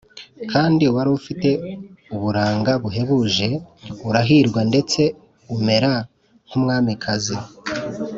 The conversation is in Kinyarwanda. kandi wari ufite uburanga buhebuje, urahirwa ndetse umera nk’umwamikazi